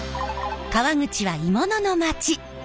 川口は鋳物の町。